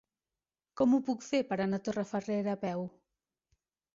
Com ho puc fer per anar a Torrefarrera a peu?